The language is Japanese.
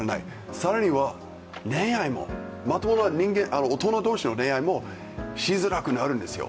更には恋愛も、まともな大人同士の恋愛もしづらくなるんですよ。